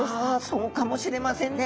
そうかもしれませんね。